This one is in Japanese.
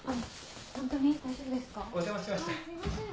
すいません。